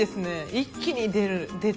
一気に出て。